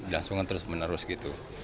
langsung terus menerus gitu